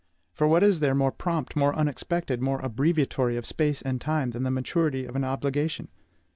For what is there more prompt, more unexpected, more abbreviatory of space and time, than the maturity of an obligation?